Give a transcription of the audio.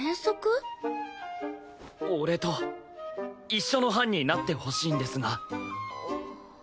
俺と一緒の班になってほしいんですが。